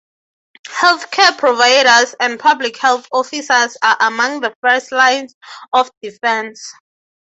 Health care providers and public health officers are among the first lines of defense.